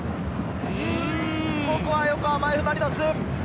ここは横浜Ｆ・マリノス。